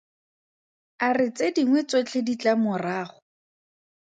A re tse dingwe tsotlhe di tla morago.